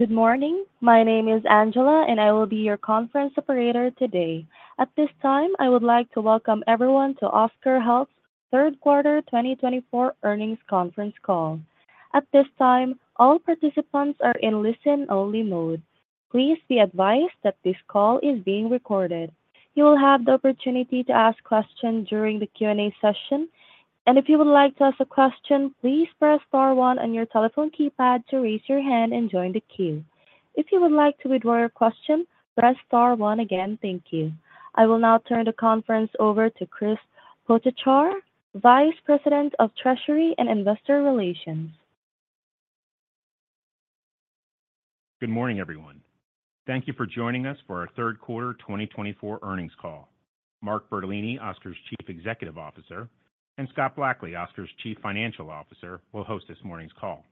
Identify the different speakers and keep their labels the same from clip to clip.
Speaker 1: Good morning. My name is Angela, and I will be your conference operator today. At this time, I would like to welcome everyone to Oscar Health's third quarter 2024 earnings conference call. At this time, all participants are in listen-only mode. Please be advised that this call is being recorded. You will have the opportunity to ask questions during the Q&A session. If you would like to ask a question, please press star one on your telephone keypad to raise your hand and join the queue. If you would like to withdraw your question, press star one again. Thank you. I will now turn the conference over to Chris Potochar, Vice President of Treasury and Investor Relations.
Speaker 2: Good morning, everyone. Thank you for joining us for our third quarter 2024 earnings call. Mark Bertolini, Oscar's Chief Executive Officer, and Scott Blackley, Oscar's Chief Financial Officer, will host this morning's call.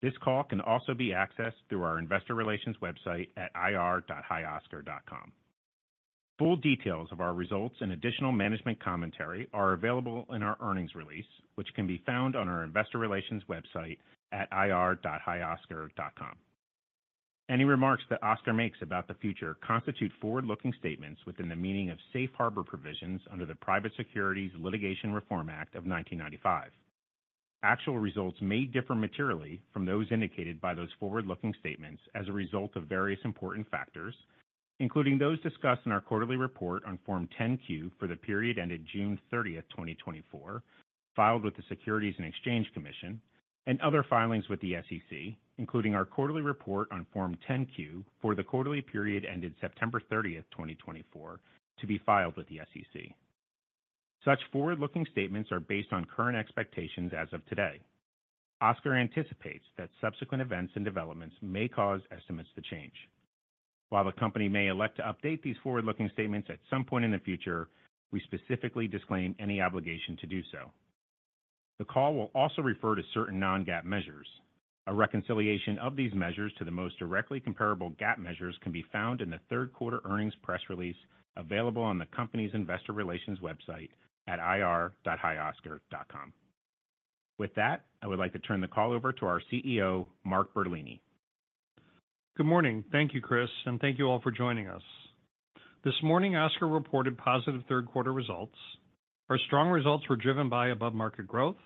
Speaker 2: This call can also be accessed through our Investor Relations website at ir.hioscar.com. Full details of our results and additional management commentary are available in our earnings release, which can be found on our Investor Relations website at ir.hioscar.com. Any remarks that Oscar makes about the future constitute forward-looking statements within the meaning of safe harbor provisions under the Private Securities Litigation Reform Act of 1995. Actual results may differ materially from those indicated by those forward-looking statements as a result of various important factors, including those discussed in our quarterly report on Form 10-Q for the period ended June 30, 2024, filed with the Securities and Exchange Commission, and other filings with the SEC, including our quarterly report on Form 10-Q for the quarterly period ended September 30, 2024, to be filed with the SEC. Such forward-looking statements are based on current expectations as of today. Oscar anticipates that subsequent events and developments may cause estimates to change. While the company may elect to update these forward-looking statements at some point in the future, we specifically disclaim any obligation to do so. The call will also refer to certain non-GAAP measures. A reconciliation of these measures to the most directly comparable GAAP measures can be found in the third quarter earnings press release available on the company's Investor Relations website at ir.hioscar.com. With that, I would like to turn the call over to our CEO, Mark Bertolini.
Speaker 3: Good morning. Thank you, Chris, and thank you all for joining us. This morning, Oscar reported positive third quarter results. Our strong results were driven by above-market growth,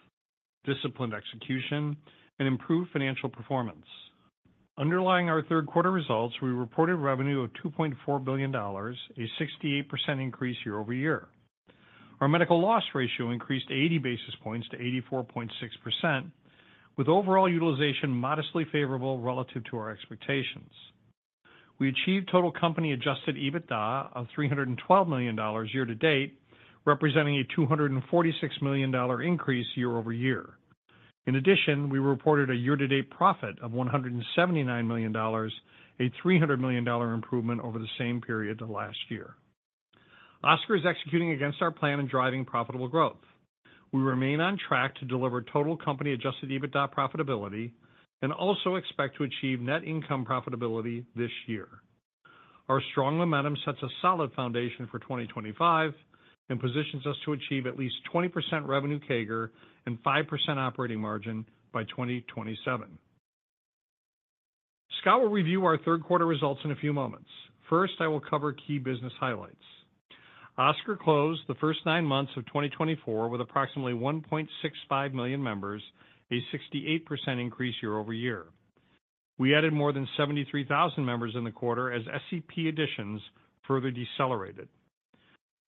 Speaker 3: disciplined execution, and improved financial performance. Underlying our third quarter results, we reported revenue of $2.4 billion, a 68% increase year-over-year. Our medical loss ratio increased 80 basis points to 84.6%, with overall utilization modestly favorable relative to our expectations. We achieved total company-adjusted EBITDA of $312 million year-to-date, representing a $246 million increase year-over-year. In addition, we reported a year-to-date profit of $179 million, a $300 million improvement over the same period to last year. Oscar is executing against our plan and driving profitable growth. We remain on track to deliver total company-adjusted EBITDA profitability and also expect to achieve net income profitability this year. Our strong momentum sets a solid foundation for 2025 and positions us to achieve at least 20% revenue CAGR and 5% operating margin by 2027. Scott will review our third quarter results in a few moments. First, I will cover key business highlights. Oscar closed the first nine months of 2024 with approximately 1.65 million members, a 68% increase year-over-year. We added more than 73,000 members in the quarter as SEP additions further decelerated.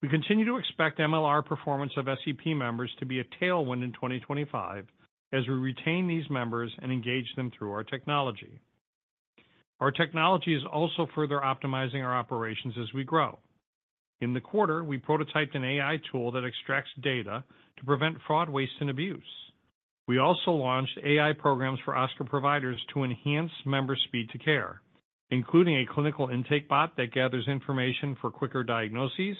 Speaker 3: We continue to expect MLR performance of SEP members to be a tailwind in 2025 as we retain these members and engage them through our technology. Our technology is also further optimizing our operations as we grow. In the quarter, we prototyped an AI tool that extracts data to prevent fraud, waste, and abuse. We also launched AI programs for Oscar providers to enhance member speed to care, including a clinical intake bot that gathers information for quicker diagnoses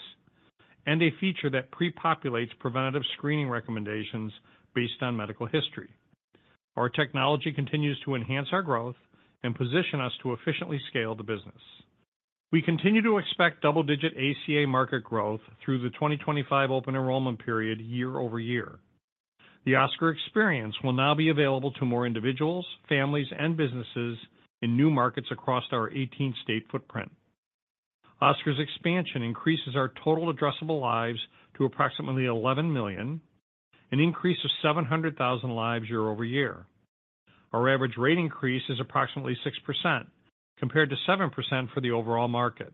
Speaker 3: and a feature that pre-populates preventative screening recommendations based on medical history. Our technology continues to enhance our growth and position us to efficiently scale the business. We continue to expect double-digit ACA market growth through the 2025 Open Enrollment period year-over-year. The Oscar experience will now be available to more individuals, families, and businesses in new markets across our 18-state footprint. Oscar's expansion increases our total addressable lives to approximately 11 million, an increase of 700,000 lives year-over-year. Our average rate increase is approximately 6% compared to 7% for the overall market.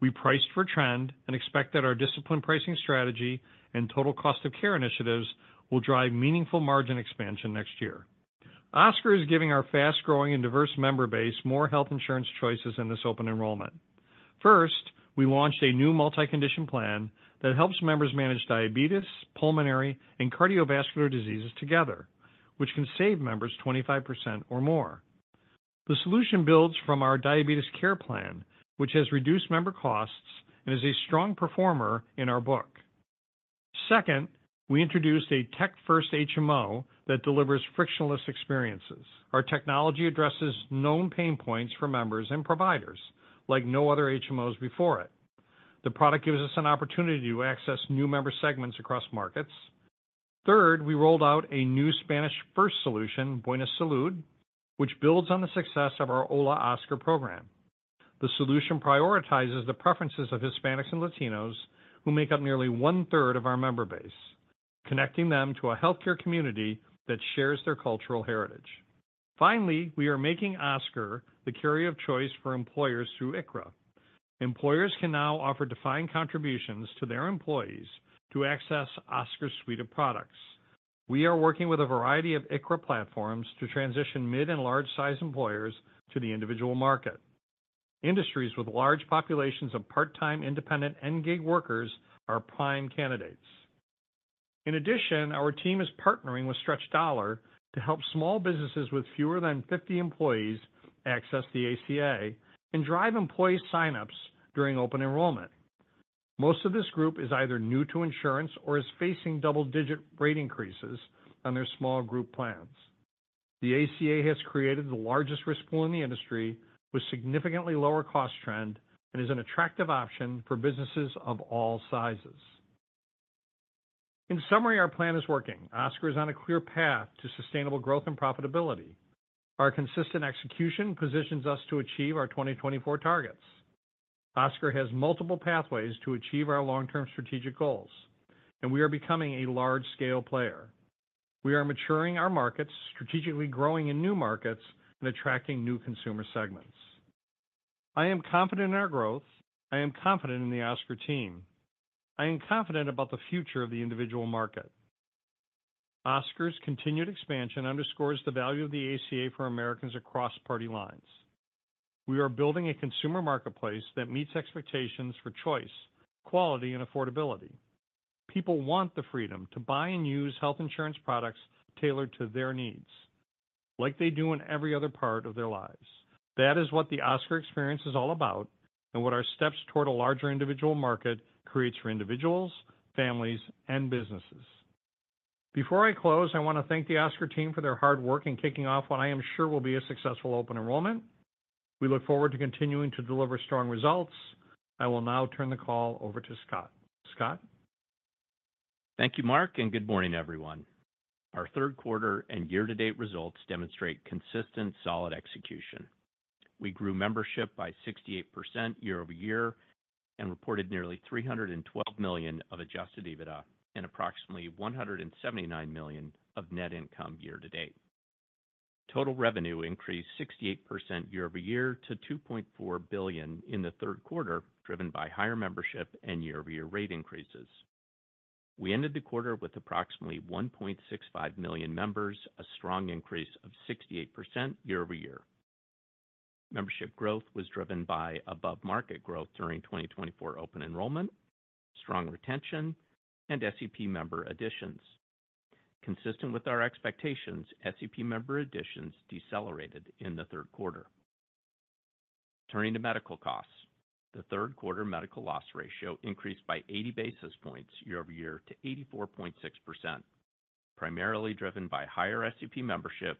Speaker 3: We priced for trend and expect that our disciplined pricing strategy and total cost of care initiatives will drive meaningful margin expansion next year. Oscar is giving our fast-growing and diverse member base more health insurance choices in this Open Enrollment. First, we launched a new multi-condition plan that helps members manage diabetes, pulmonary, and cardiovascular diseases together, which can save members 25% or more. The solution builds from our diabetes care plan, which has reduced member costs and is a strong performer in our book. Second, we introduced a tech-first HMO that delivers frictionless experiences. Our technology addresses known pain points for members and providers like no other HMOs before it. The product gives us an opportunity to access new member segments across markets. Third, we rolled out a new Spanish-first solution, Buena Salud, which builds on the success of our Hola Oscar program. The solution prioritizes the preferences of Hispanics and Latinos who make up nearly 1/3 of our member base, connecting them to a healthcare community that shares their cultural heritage. Finally, we are making Oscar the carrier of choice for employers through ICHRA. Employers can now offer defined contributions to their employees to access Oscar's suite of products. We are working with a variety of ICHRA platforms to transition mid and large-sized employers to the individual market. Industries with large populations of part-time, independent, and gig workers are prime candidates. In addition, our team is partnering with StretchDollar to help small businesses with fewer than 50 employees access the ACA and drive employee sign-ups during Open Enrollment. Most of this group is either new to insurance or is facing double-digit rate increases on their small group plans. The ACA has created the largest risk pool in the industry with significantly lower cost trend and is an attractive option for businesses of all sizes. In summary, our plan is working. Oscar is on a clear path to sustainable growth and profitability. Our consistent execution positions us to achieve our 2024 targets. Oscar has multiple pathways to achieve our long-term strategic goals, and we are becoming a large-scale player. We are maturing our markets, strategically growing in new markets, and attracting new consumer segments. I am confident in our growth. I am confident in the Oscar team. I am confident about the future of the individual market. Oscar's continued expansion underscores the value of the ACA for Americans across party lines. We are building a consumer marketplace that meets expectations for choice, quality, and affordability. People want the freedom to buy and use health insurance products tailored to their needs, like they do in every other part of their lives. That is what the Oscar experience is all about and what our steps toward a larger individual market creates for individuals, families, and businesses. Before I close, I want to thank the Oscar team for their hard work in kicking off what I am sure will be a successful Open Enrollment. We look forward to continuing to deliver strong results. I will now turn the call over to Scott. Scott.
Speaker 4: Thank you, Mark, and good morning, everyone. Our third quarter and year-to-date results demonstrate consistent, solid execution. We grew membership by 68% year-over-year and reported nearly $312 million of adjusted EBITDA and approximately $179 million of net income year-to-date. Total revenue increased 68% year-over-year to $2.4 billion in the third quarter, driven by higher membership and year-over-year rate increases. We ended the quarter with approximately 1.65 million members, a strong increase of 68% year-over-year. Membership growth was driven by above-market growth during 2024 Open Enrollment, strong retention, and SEP member additions. Consistent with our expectations, SEP member additions decelerated in the third quarter. Turning to medical costs, the third quarter medical loss ratio increased by 80 basis points year-over-year to 84.6%, primarily driven by higher SEP membership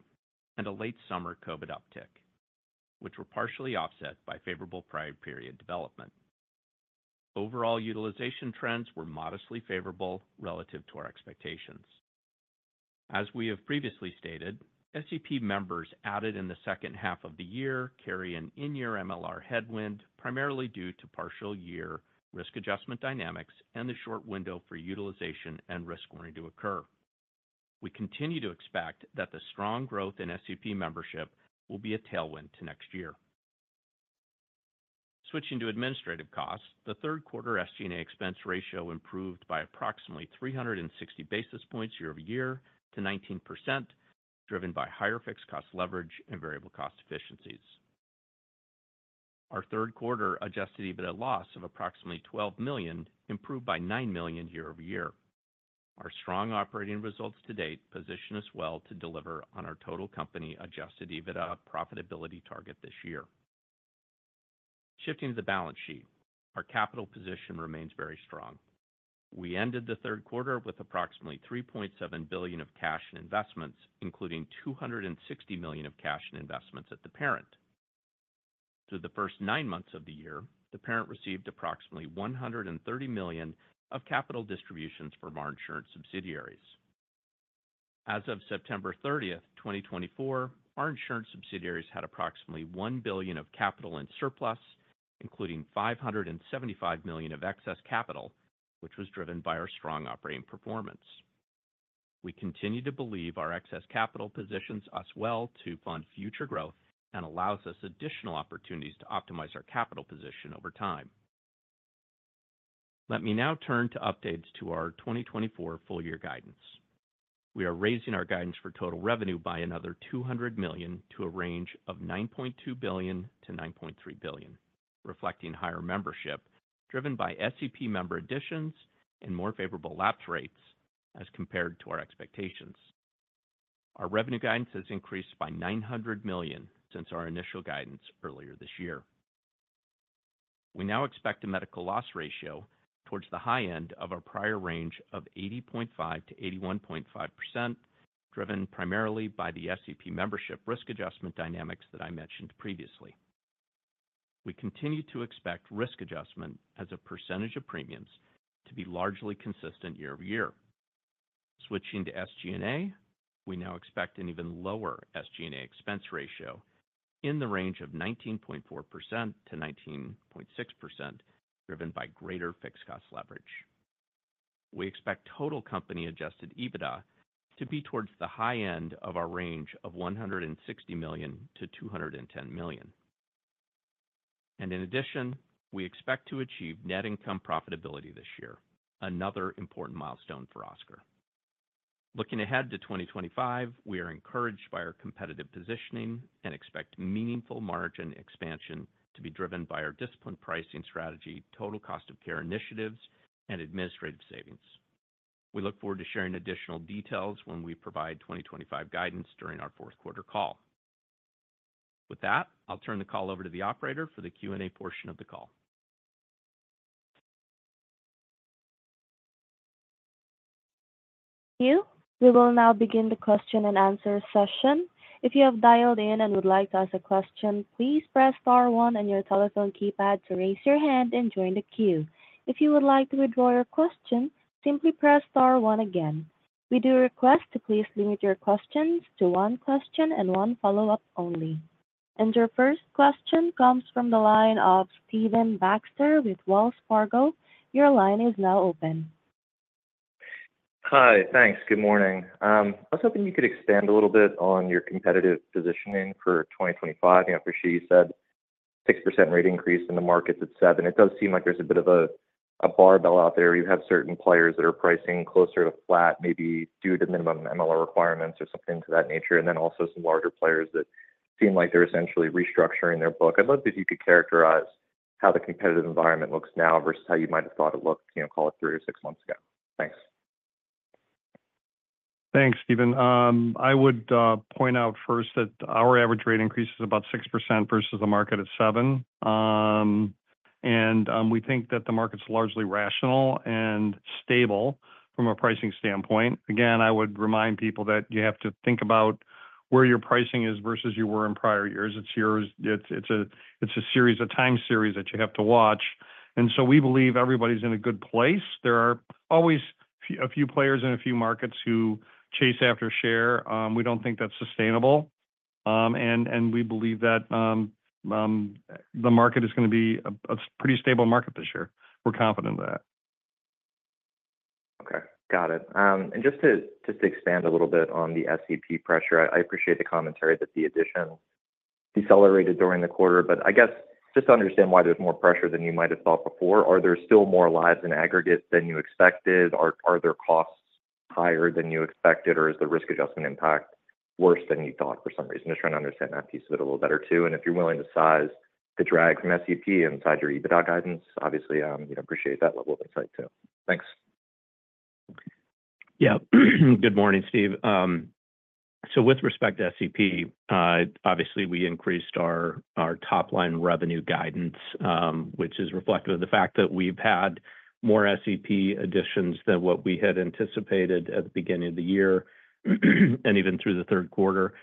Speaker 4: and a late-summer COVID uptick, which were partially offset by favorable prior-period development. Overall utilization trends were modestly favorable relative to our expectations. As we have previously stated, SEP members added in the second half of the year carry an in-year MLR headwind, primarily due to partial-year risk adjustment dynamics and the short window for utilization and risk adjustment to occur. We continue to expect that the strong growth in SEP membership will be a tailwind to next year. Switching to administrative costs, the third quarter SG&A expense ratio improved by approximately 360 basis points year-over-year to 19%, driven by higher fixed cost leverage and variable cost efficiencies. Our third quarter adjusted EBITDA loss of approximately $12 million improved by $9 million year-over-year. Our strong operating results to date position us well to deliver on our total company-adjusted EBITDA profitability target this year. Shifting to the balance sheet, our capital position remains very strong. We ended the third quarter with approximately $3.7 billion of cash and investments, including $260 million of cash and investments at the parent. Through the first nine months of the year, the parent received approximately $130 million of capital distributions from our insurance subsidiaries. As of September 30, 2024, our insurance subsidiaries had approximately $1 billion of capital in surplus, including $575 million of excess capital, which was driven by our strong operating performance. We continue to believe our excess capital positions us well to fund future growth and allows us additional opportunities to optimize our capital position over time. Let me now turn to updates to our 2024 full-year guidance. We are raising our guidance for total revenue by another $200 million to a range of $9.2 billion-$9.3 billion, reflecting higher membership driven by SEP member additions and more favorable lapse rates as compared to our expectations. Our revenue guidance has increased by $900 million since our initial guidance earlier this year. We now expect a medical loss ratio towards the high end of our prior range of 80.5%-81.5%, driven primarily by the SEP membership risk adjustment dynamics that I mentioned previously. We continue to expect risk adjustment as a percentage of premiums to be largely consistent year-over-year. Switching to SG&A, we now expect an even lower SG&A expense ratio in the range of 19.4%-19.6%, driven by greater fixed cost leverage. We expect total company-adjusted EBITDA to be towards the high end of our range of $160 million-$210 million, and in addition, we expect to achieve net income profitability this year, another important milestone for Oscar. Looking ahead to 2025, we are encouraged by our competitive positioning and expect meaningful margin expansion to be driven by our disciplined pricing strategy, total cost of care initiatives, and administrative savings. We look forward to sharing additional details when we provide 2025 guidance during our fourth quarter call. With that, I'll turn the call over to the operator for the Q&A portion of the call.
Speaker 1: Thank you. We will now begin the question and answer session. If you have dialed in and would like to ask a question, please press star one on your telephone keypad to raise your hand and join the queue. If you would like to withdraw your question, simply press star one again. We do request to please limit your questions to one question and one follow-up only. And your first question comes from the line of Stephen Baxter with Wells Fargo. Your line is now open.
Speaker 5: Hi, thanks. Good morning. I was hoping you could expand a little bit on your competitive positioning for 2025. You know, I appreciate you said 6% rate increase in the markets at seven. It does seem like there's a bit of a barbell out there. You have certain players that are pricing closer to flat, maybe due to minimum MLR requirements or something to that nature, and then also some larger players that seem like they're essentially restructuring their book. I'd love if you could characterize how the competitive environment looks now versus how you might have thought it looked, you know, call it three or six months ago. Thanks.
Speaker 3: Thanks, Stephen. I would point out first that our average rate increase is about 6% versus the market at 7%. And we think that the market's largely rational and stable from a pricing standpoint. Again, I would remind people that you have to think about where your pricing is versus where you were in prior years. It's a series of time series that you have to watch. And so we believe everybody's in a good place. There are always a few players in a few markets who chase after share. We don't think that's sustainable. And we believe that the market is going to be a pretty stable market this year. We're confident of that.
Speaker 5: Okay. Got it. And just to expand a little bit on the SEP pressure, I appreciate the commentary that the additions decelerated during the quarter, but I guess just to understand why there's more pressure than you might have thought before. Are there still more lives in aggregate than you expected? Are their costs higher than you expected, or is the risk adjustment impact worse than you thought for some reason? Just trying to understand that piece of it a little better too. And if you're willing to size the drag from SEP inside your EBITDA guidance, obviously, you know, appreciate that level of insight too. Thanks.
Speaker 4: Yeah. Good morning, Steve. So with respect to SEP, obviously, we increased our top-line revenue guidance, which is reflective of the fact that we've had more SEP additions than what we had anticipated at the beginning of the year and even through the third quarter.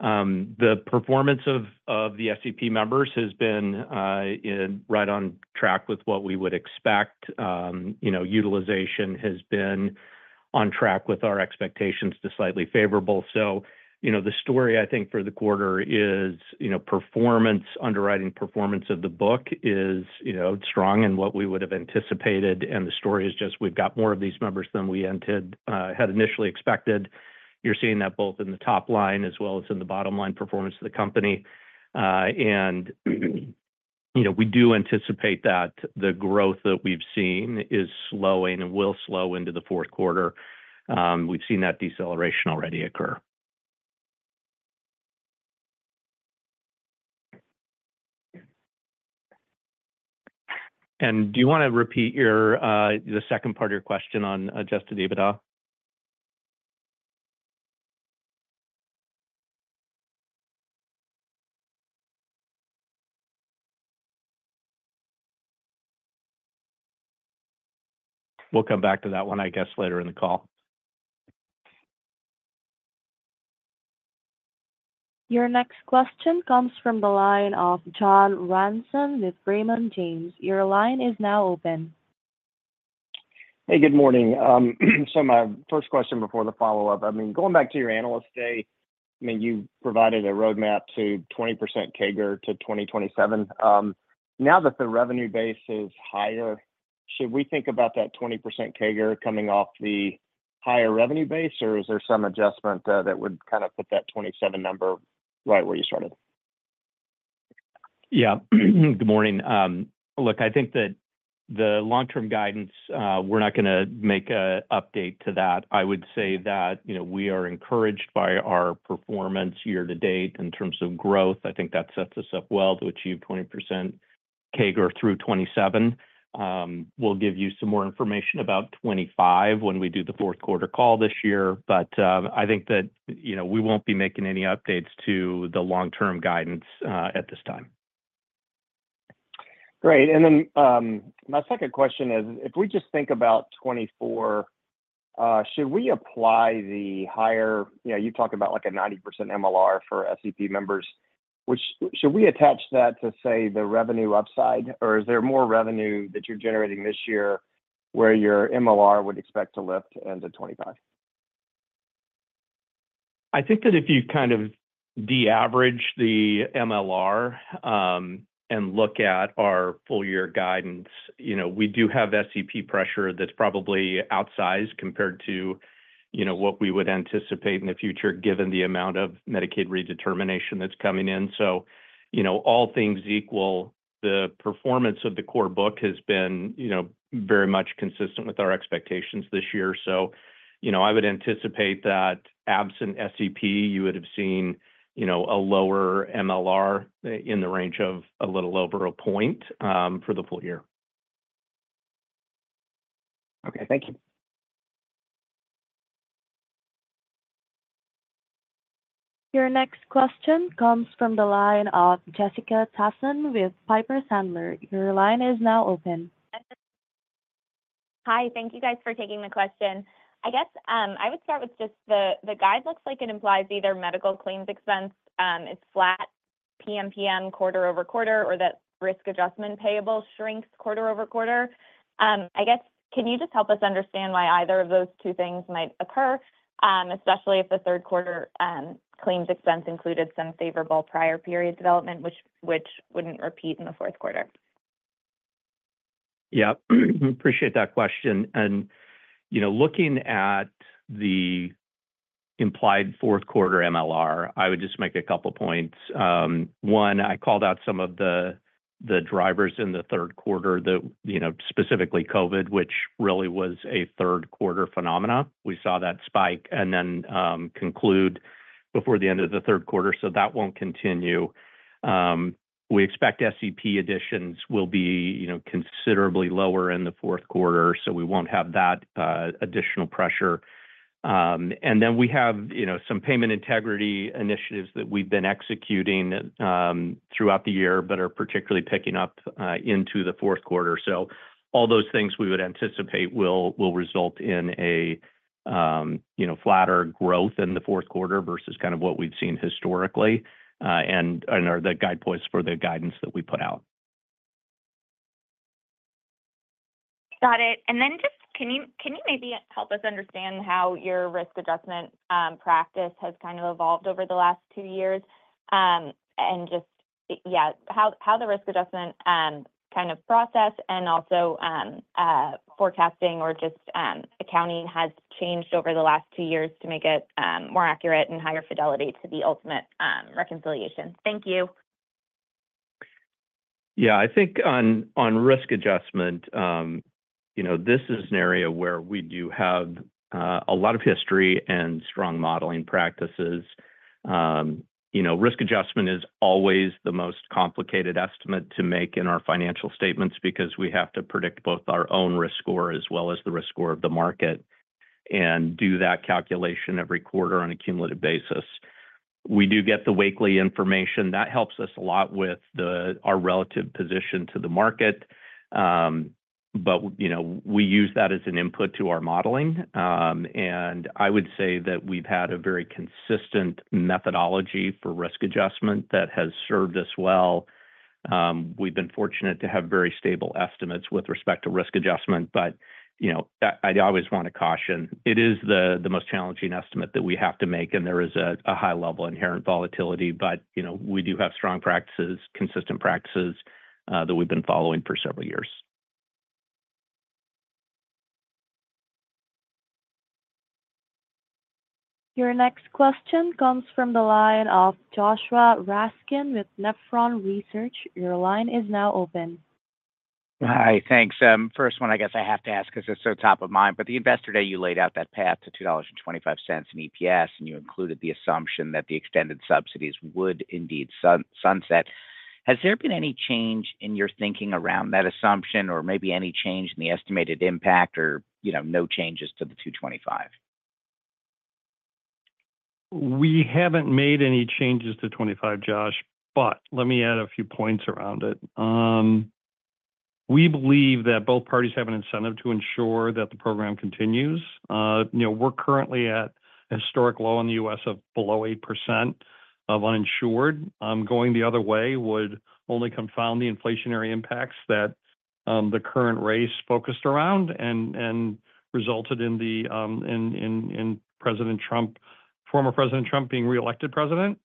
Speaker 4: The performance of the SEP members has been right on track with what we would expect. You know, utilization has been on track with our expectations to slightly favorable. So, you know, the story, I think, for the quarter is, you know, performance, underwriting performance of the book is, you know, strong and what we would have anticipated. And the story is just we've got more of these members than we had initially expected. You're seeing that both in the top line as well as in the bottom line performance of the company. You know, we do anticipate that the growth that we've seen is slowing and will slow into the fourth quarter. We've seen that deceleration already occur. Do you want to repeat the second part of your question on adjusted EBITDA? We'll come back to that one, I guess, later in the call.
Speaker 1: Your next question comes from the line of John Ransom with Raymond James. Your line is now open.
Speaker 6: Hey, good morning. So my first question before the follow-up, I mean, going back to your analyst day, I mean, you provided a roadmap to 20% CAGR to 2027. Now that the revenue base is higher, should we think about that 20% CAGR coming off the higher revenue base, or is there some adjustment that would kind of put that 27 number right where you started?
Speaker 4: Yeah. Good morning. Look, I think that the long-term guidance, we're not going to make an update to that. I would say that, you know, we are encouraged by our performance year to date in terms of growth. I think that sets us up well to achieve 20% CAGR through 27. We'll give you some more information about 25 when we do the fourth quarter call this year, but I think that, you know, we won't be making any updates to the long-term guidance at this time.
Speaker 6: Great. And then my second question is, if we just think about 2024, should we apply the higher, you know, you talk about like a 90% MLR for SEP members, which should we attach that to, say, the revenue upside, or is there more revenue that you're generating this year where your MLR would expect to lift into 2025?
Speaker 4: I think that if you kind of de-average the MLR and look at our full-year guidance, you know, we do have SEP pressure that's probably outsized compared to, you know, what we would anticipate in the future given the amount of Medicaid redetermination that's coming in. So, you know, all things equal, the performance of the core book has been, you know, very much consistent with our expectations this year. So, you know, I would anticipate that absent SEP, you would have seen, you know, a lower MLR in the range of a little over a point for the full year.
Speaker 6: Okay. Thank you.
Speaker 1: Your next question comes from the line of Jessica Tassan with Piper Sandler. Your line is now open.
Speaker 7: Hi. Thank you guys for taking the question. I guess I would start with just the guide looks like it implies either medical claims expense is flat PMPM quarter over quarter, or that risk adjustment payable shrinks quarter over quarter. I guess, can you just help us understand why either of those two things might occur, especially if the third quarter claims expense included some favorable prior-period development, which wouldn't repeat in the fourth quarter?
Speaker 4: Yeah. I appreciate that question. And, you know, looking at the implied fourth quarter MLR, I would just make a couple points. One, I called out some of the drivers in the third quarter that, you know, specifically COVID, which really was a third quarter phenomenon. We saw that spike and then conclude before the end of the third quarter, so that won't continue. We expect SEP additions will be, you know, considerably lower in the fourth quarter, so we won't have that additional pressure. And then we have, you know, some payment integrity initiatives that we've been executing throughout the year but are particularly picking up into the fourth quarter. So all those things we would anticipate will result in a, you know, flatter growth in the fourth quarter versus kind of what we've seen historically and are the guideposts for the guidance that we put out.
Speaker 7: Got it. And then just can you maybe help us understand how your risk adjustment practice has kind of evolved over the last two years and just, yeah, how the risk adjustment kind of process and also forecasting or just accounting has changed over the last two years to make it more accurate and higher fidelity to the ultimate reconciliation? Thank you.
Speaker 4: Yeah. I think on risk adjustment, you know, this is an area where we do have a lot of history and strong modeling practices. You know, risk adjustment is always the most complicated estimate to make in our financial statements because we have to predict both our own risk score as well as the risk score of the market and do that calculation every quarter on a cumulative basis. We do get the weekly information. That helps us a lot with our relative position to the market. But, you know, we use that as an input to our modeling. And I would say that we've had a very consistent methodology for risk adjustment that has served us well. We've been fortunate to have very stable estimates with respect to risk adjustment, but, you know, I always want to caution, it is the most challenging estimate that we have to make, and there is a high-level inherent volatility. But, you know, we do have strong practices, consistent practices that we've been following for several years.
Speaker 1: Your next question comes from the line of Joshua Raskin with Nephron Research. Your line is now open.
Speaker 8: Hi. Thanks. First one, I guess I have to ask because it's so top of mind, but the investor day, you laid out that path to $2.25 in EPS, and you included the assumption that the extended subsidies would indeed sunset. Has there been any change in your thinking around that assumption or maybe any change in the estimated impact or, you know, no changes to the $2.25?
Speaker 3: We haven't made any changes to $2.25, Josh, but let me add a few points around it. We believe that both parties have an incentive to ensure that the program continues. You know, we're currently at a historic low in the U.S. of below 8% of uninsured. Going the other way would only confound the inflationary impacts that the current race focused around and resulted in then President Trump, former President Trump being reelected president.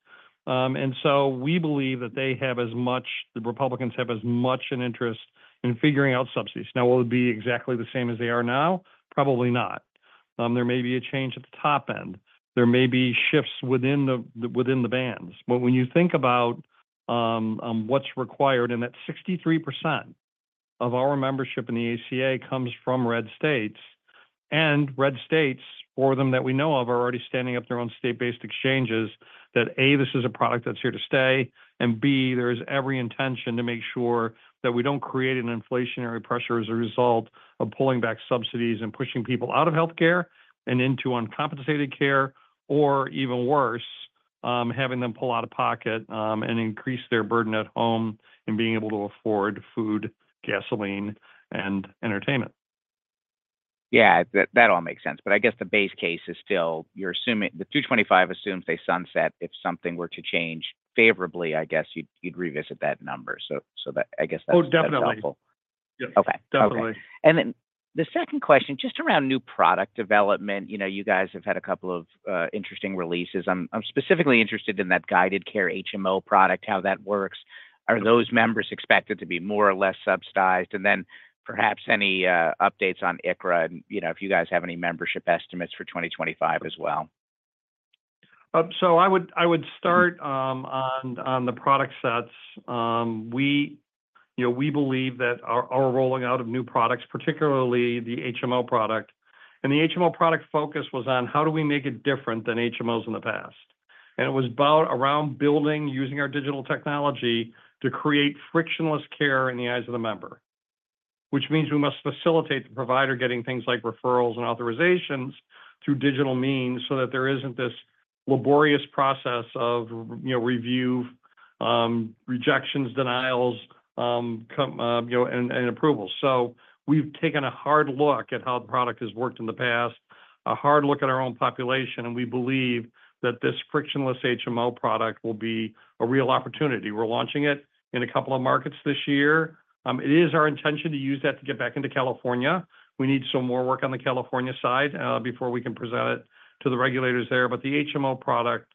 Speaker 3: So we believe that they have as much as the Republicans have an interest in figuring out subsidies. Now, will it be exactly the same as they are now? Probably not. There may be a change at the top end. There may be shifts within the bands. But when you think about what's required and that 63% of our membership in the ACA comes from red states, and red states, for them that we know of, are already standing up their own state-based exchanges that, A, this is a product that's here to stay, and B, there is every intention to make sure that we don't create an inflationary pressure as a result of pulling back subsidies and pushing people out of healthcare and into uncompensated care, or even worse, having them pull out of pocket and increase their burden at home and being able to afford food, gasoline, and entertainment.
Speaker 8: Yeah. That all makes sense. But I guess the base case is still you're assuming the $2.25 assumes they sunset. If something were to change favorably, I guess you'd revisit that number. So I guess that's helpful.
Speaker 3: Oh, definitely.
Speaker 8: Okay.
Speaker 3: Definitely.
Speaker 8: And then the second question, just around new product development, you know, you guys have had a couple of interesting releases. I'm specifically interested in that Guided Care HMO product, how that works. Are those members expected to be more or less subsidized? And then perhaps any updates on ICHRA and, you know, if you guys have any membership estimates for 2025 as well.
Speaker 3: So I would start on the product sets. We, you know, we believe that our rolling out of new products, particularly the HMO product, and the HMO product focus was on how do we make it different than HMOs in the past. And it was about around building, using our digital technology to create frictionless care in the eyes of the member, which means we must facilitate the provider getting things like referrals and authorizations through digital means so that there isn't this laborious process of, you know, review, rejections, denials, you know, and approvals. So we've taken a hard look at how the product has worked in the past, a hard look at our own population, and we believe that this frictionless HMO product will be a real opportunity. We're launching it in a couple of markets this year. It is our intention to use that to get back into California. We need some more work on the California side before we can present it to the regulators there. But the HMO product,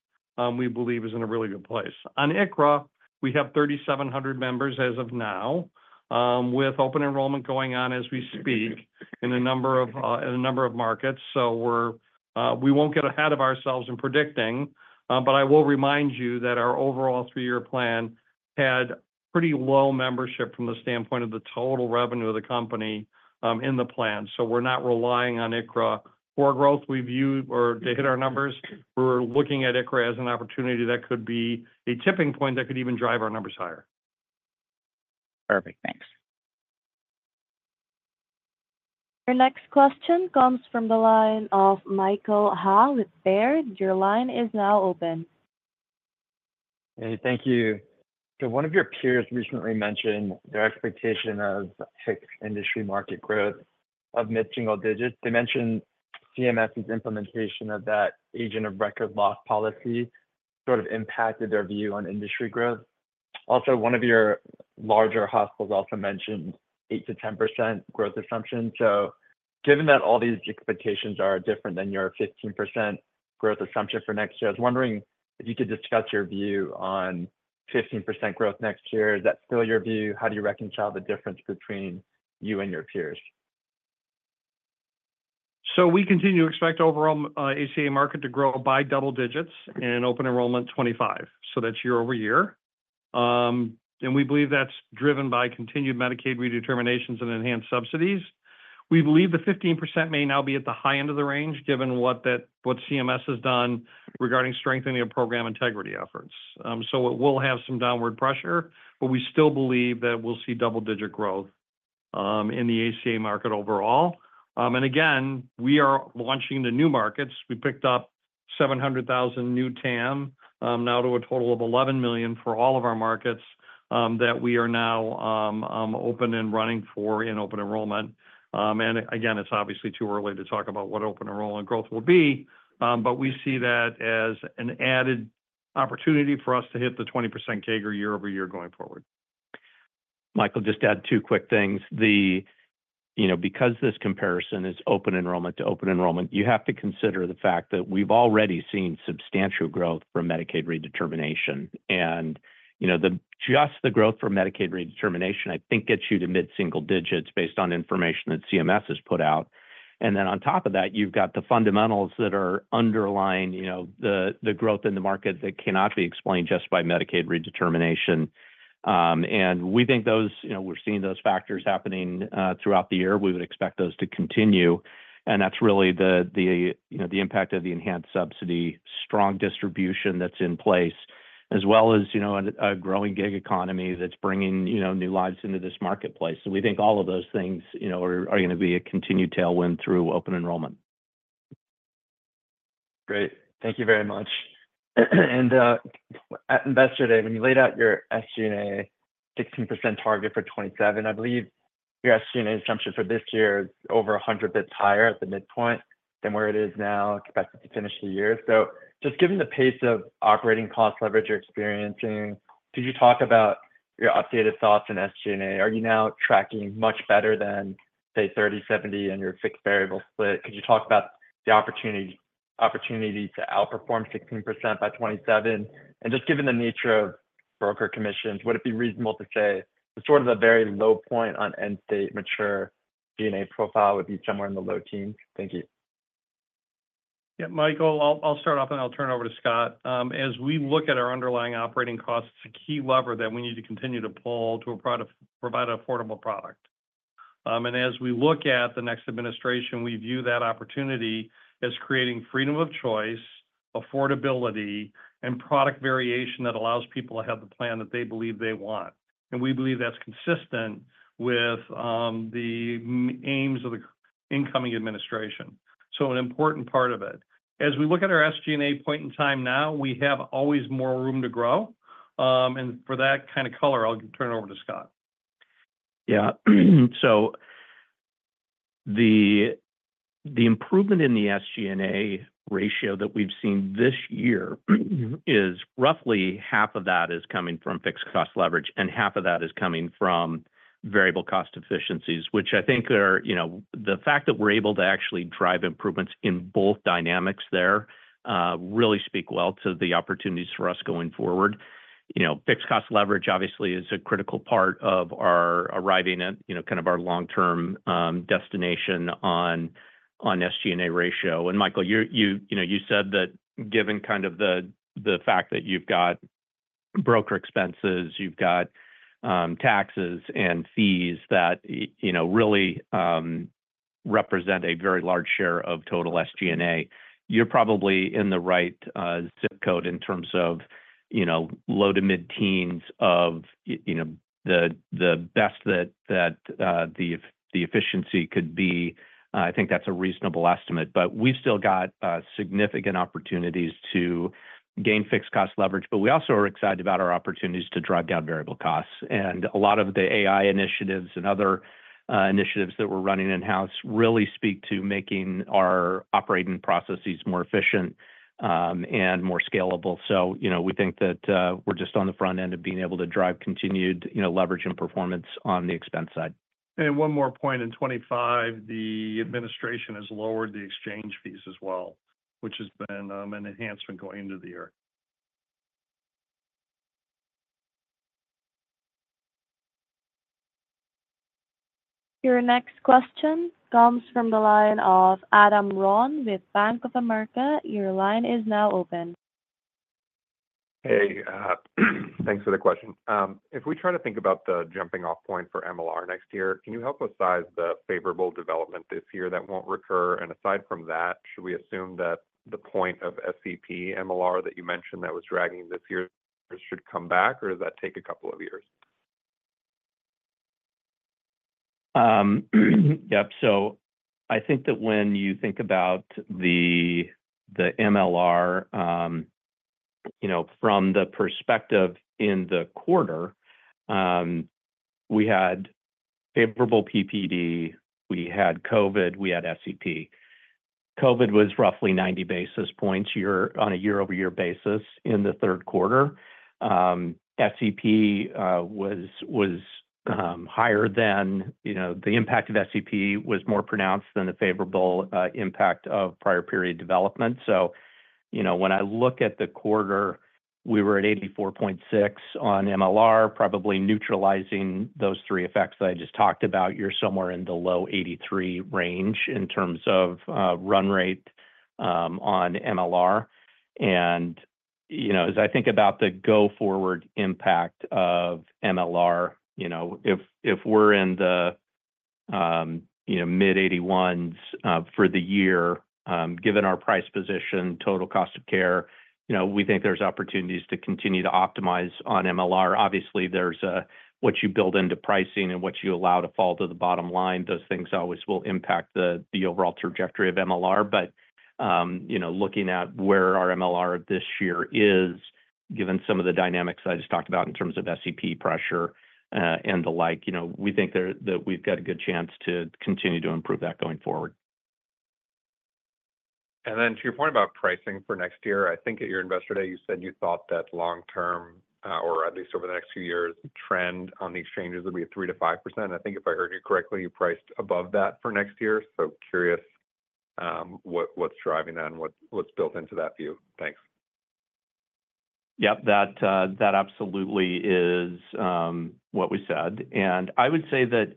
Speaker 3: we believe, is in a really good place. On ICHRA, we have 3,700 members as of now with Open Enrollment going on as we speak in a number of markets. So we won't get ahead of ourselves in predicting, but I will remind you that our overall three-year plan had pretty low membership from the standpoint of the total revenue of the company in the plan. So we're not relying on ICHRA for growth. We view or to hit our numbers, we're looking at ICHRA as an opportunity that could be a tipping point that could even drive our numbers higher.
Speaker 8: Perfect. Thanks.
Speaker 1: Your next question comes from the line of Michael Ha with Baird. Your line is now open.
Speaker 9: Hey, thank you. So one of your peers recently mentioned their expectation of fixed industry market growth of mid-single digits. They mentioned CMS's implementation of that agent of record loss policy sort of impacted their view on industry growth. Also, one of your larger hospitals also mentioned 8%-10% growth assumption. So given that all these expectations are different than your 15% growth assumption for next year, I was wondering if you could discuss your view on 15% growth next year. Is that still your view? How do you reconcile the difference between you and your peers?
Speaker 3: We continue to expect overall ACA market to grow by double digits in Open Enrollment 2025. So that's year-over-year. And we believe that's driven by continued Medicaid redeterminations and enhanced subsidies. We believe the 15% may now be at the high end of the range given what CMS has done regarding strengthening of program integrity efforts. So it will have some downward pressure, but we still believe that we'll see double-digit growth in the ACA market overall. And again, we are launching the new markets. We picked up 700,000 new TAM now to a total of 11 million for all of our markets that we are now open and running for in Open Enrollment. Again, it's obviously too early to talk about what Open Enrollment growth will be, but we see that as an added opportunity for us to hit the 20% CAGR year over year going forward.
Speaker 4: Michael, just add two quick things. You know, because this comparison is Open Enrollment to Open Enrollment, you have to consider the fact that we've already seen substantial growth for Medicaid redetermination. And, you know, just the growth for Medicaid redetermination, I think, gets you to mid-single digits based on information that CMS has put out. And then on top of that, you've got the fundamentals that are underlying, you know, the growth in the market that cannot be explained just by Medicaid redetermination. And we think those, you know, we're seeing those factors happening throughout the year. We would expect those to continue. And that's really the, you know, the impact of the enhanced subsidy strong distribution that's in place, as well as, you know, a growing gig economy that's bringing, you know, new lives into this marketplace. So we think all of those things, you know, are going to be a continued tailwind through Open Enrollment.
Speaker 9: Great. Thank you very much. And Investor Day, when you laid out your SG&A 16% target for 2027, I believe your SG&A assumption for this year is over 100 basis points higher at the midpoint than where it is now expected to finish the year. So just given the pace of operating cost leverage you're experiencing, could you talk about your updated thoughts on SG&A? Are you now tracking much better than, say, 30-70 and your fixed variable split? Could you talk about the opportunity to outperform 16% by 2027? And just given the nature of broker commissions, would it be reasonable to say sort of a very low point on end state mature G&A profile would be somewhere in the low teens? Thank you.
Speaker 3: Yeah. Michael, I'll start off and I'll turn it over to Scott. As we look at our underlying operating costs, it's a key lever that we need to continue to pull to provide an affordable product. And as we look at the next administration, we view that opportunity as creating freedom of choice, affordability, and product variation that allows people to have the plan that they believe they want. And we believe that's consistent with the aims of the incoming administration. So an important part of it. As we look at our SG&A point in time now, we have always more room to grow. And for that kind of color, I'll turn it over to Scott.
Speaker 4: Yeah. So the improvement in the SG&A ratio that we've seen this year is roughly half of that is coming from fixed cost leverage, and half of that is coming from variable cost efficiencies, which I think are, you know, the fact that we're able to actually drive improvements in both dynamics there really speak well to the opportunities for us going forward. You know, fixed cost leverage obviously is a critical part of our arriving at, you know, kind of our long-term destination on SG&A ratio. And Michael, you said that given kind of the fact that you've got broker expenses, you've got taxes and fees that, you know, really represent a very large share of total SG&A, you're probably in the right zip code in terms of, you know, low to mid-teens of, you know, the best that the efficiency could be. I think that's a reasonable estimate. But we've still got significant opportunities to gain fixed cost leverage, but we also are excited about our opportunities to drive down variable costs. And a lot of the AI initiatives and other initiatives that we're running in-house really speak to making our operating processes more efficient and more scalable. So, you know, we think that we're just on the front end of being able to drive continued, you know, leverage and performance on the expense side.
Speaker 3: One more point, in 2025, the administration has lowered the exchange fees as well, which has been an enhancement going into the year.
Speaker 1: Your next question comes from the line of Adam Ron with Bank of America. Your line is now open.
Speaker 10: Hey, thanks for the question. If we try to think about the jumping-off point for MLR next year, can you help us size the favorable development this year that won't recur? And aside from that, should we assume that the point of SEP MLR that you mentioned that was dragging this year should come back, or does that take a couple of years?
Speaker 4: Yep. So I think that when you think about the MLR, you know, from the perspective in the quarter, we had favorable PPD, we had COVID, we had SEP. COVID was roughly 90 basis points on a year-over-year basis in the third quarter. SEP was higher than, you know, the impact of SEP was more pronounced than the favorable impact of prior period development. So, you know, when I look at the quarter, we were at 84.6% MLR, probably neutralizing those three effects that I just talked about. You're somewhere in the low-83% range in terms of run rate on MLR. And, you know, as I think about the go-forward impact of MLR, you know, if we're in the, you know, mid-81s% for the year, given our price position, total cost of care, you know, we think there's opportunities to continue to optimize on MLR. Obviously, there's what you build into pricing and what you allow to fall to the bottom line. Those things always will impact the overall trajectory of MLR. But, you know, looking at where our MLR this year is, given some of the dynamics I just talked about in terms of SEP pressure and the like, you know, we think that we've got a good chance to continue to improve that going forward.
Speaker 10: And then to your point about pricing for next year, I think at your investor day, you said you thought that long-term, or at least over the next few years, the trend on the exchanges would be 3%-5%. I think if I heard you correctly, you priced above that for next year. So curious what's driving that and what's built into that view. Thanks.
Speaker 4: Yep. That absolutely is what we said. And I would say that,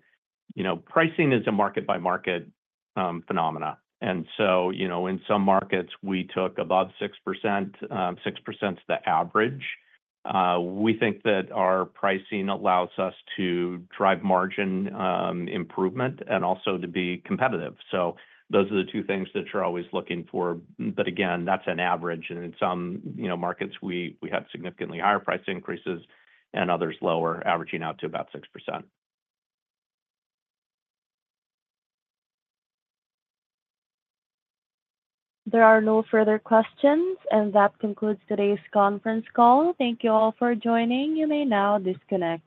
Speaker 4: you know, pricing is a market-by-market phenomenon. And so, you know, in some markets, we took above 6%. 6% is the average. We think that our pricing allows us to drive margin improvement and also to be competitive. So those are the two things that you're always looking for. But again, that's an average. And in some, you know, markets, we had significantly higher price increases and others lower, averaging out to about 6%.
Speaker 1: There are no further questions, and that concludes today's conference call. Thank you all for joining. You may now disconnect.